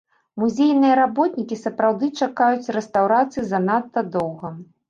Музейныя работнікі сапраўды чакаюць рэстаўрацыі занадта доўга.